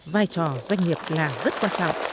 vai trò doanh nghiệp là rất quan trọng